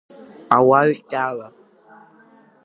Ауаҩ ҟьала…